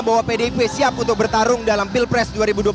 bahwa pdip siap untuk bertarung dalam pilpres dua ribu dua puluh